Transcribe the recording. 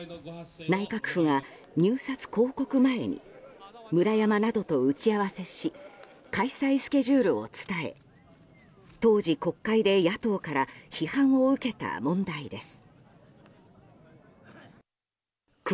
内閣府が入札公告前にムラヤマなどと打ち合わせし開催スケジュールを伝え当時、国会で野党から批判を受けた問題です。